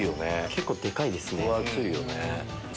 結構でかいですね。